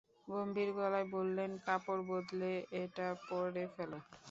গম্ভীর গলায় বললেন, কাপড় বদলে এটা পরে ফেল।